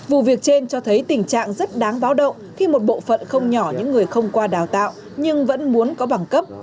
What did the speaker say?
vụ việc trên cho thấy tình trạng rất đáng báo động khi một bộ phận không nhỏ những người không qua đào tạo nhưng vẫn muốn có bằng cấp